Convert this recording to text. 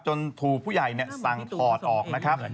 จนถูกผู้ใหญ่เนี่ยสั่งถอดออกนะครับ